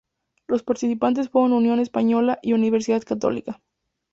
Los participantes fueron Unión Española y Universidad Católica.